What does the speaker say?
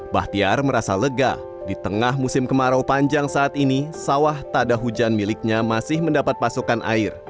bahtiar merasa lega di tengah musim kemarau panjang saat ini sawah tada hujan miliknya masih mendapat pasokan air